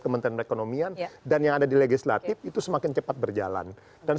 kementerian perekonomian dan yang ada di legislatif itu semakin cepat berjalan dan